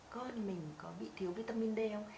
con mình có bị thiếu vitamin d không